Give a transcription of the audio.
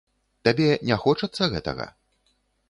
Табе не хочацца гэтага?